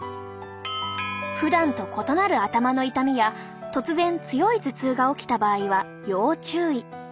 ふだんと異なる頭の痛みや突然強い頭痛が起きた場合は要注意。